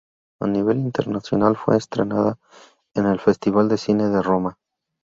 A nivel internacional fue estrenada en el Festival de Cine de Roma.